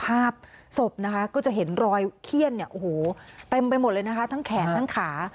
ภาพศพก็จะเห็นรอยเขี้ยนทั้งแขนทั้งขา